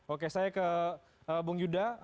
oke saya ke bung yuda